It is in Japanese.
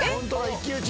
一騎打ち。